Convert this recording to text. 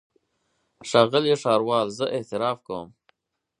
ښاغلی ښاروال زه اعتراف کوم.